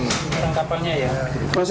orang kapalnya ya